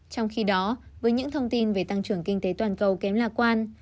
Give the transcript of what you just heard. trong khi đó với những thông tin về tăng trưởng kinh tế toàn cầu kém lạc quan